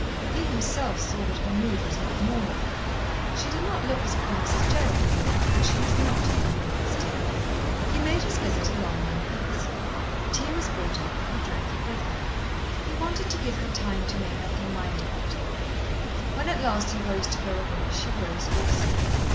He himself saw that her mood was not normal. She did not look as poor Mrs. Jerrold had looked, but she was not in a normal state. He made his visit a long one purposely. Tea was brought up, and he drank it with her. He wanted to give her time to make up her mind about him. When at last he rose to go away, she rose also.